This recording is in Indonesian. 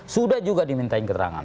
sudah juga dimintain keterangan